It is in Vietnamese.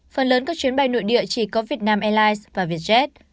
phần lớn các chuyến bay nội địa chỉ có vietnam airlines và vietjet